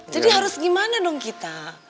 jadi harus gimana dong kita